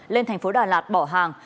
lên thành phố đà lạt bỏ hàng